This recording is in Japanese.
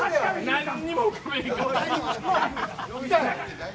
何にも浮かべへんかったんや。